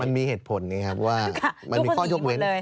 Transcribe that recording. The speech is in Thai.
มันมีเหตุผลนี้ครับว่ามันมีข้อยกเว้น